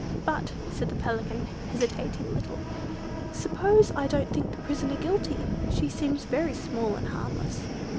"But," said the Pelican, hesitating a little, "suppose I don't think the prisoner guilty? She seems very small, and harmless."